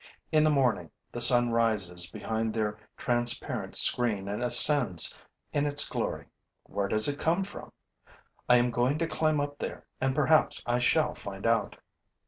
In the morning, the sun rises behind their transparent screen and ascends in its glory. Where does it come from? I am going to climb up there and perhaps I shall find out.